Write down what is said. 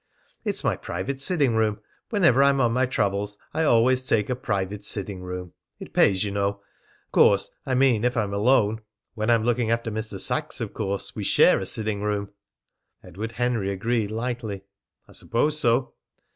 "It's my private sitting room. Whenever I am on my travels, I always take a private sitting room. It pays, you know. Of course I mean if I'm alone. When I'm looking after Mr. Sachs, of course we share a sitting room." Edward Henry agreed lightly: "I suppose so."